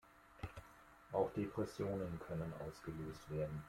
Auch Depressionen können ausgelöst werden.